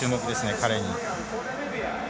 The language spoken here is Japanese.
彼に。